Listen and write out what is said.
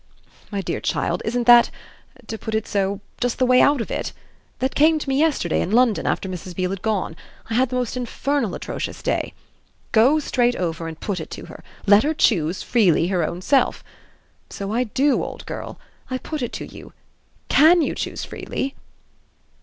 My dear child, isn't that to put it so just the way out of it? That came to me yesterday, in London, after Mrs. Beale had gone: I had the most infernal atrocious day. 'Go straight over and put it to her: let her choose, freely, her own self.' So I do, old girl I put it to you. CAN you choose freely?"